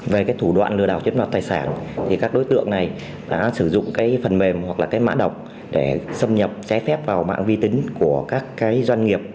về cái thủ đoạn lừa đảo chiếm đoạt tài sản thì các đối tượng này đã sử dụng cái phần mềm hoặc là cái mã độc để xâm nhập trái phép vào mạng vi tính của các cái doanh nghiệp